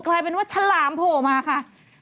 กลายเป็นว่าฉลามโผล่มาค่ะ